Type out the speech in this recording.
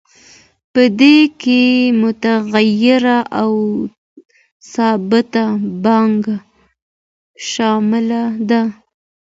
په دې کې متغیره او ثابته پانګه شامله ده